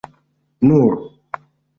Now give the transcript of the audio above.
nur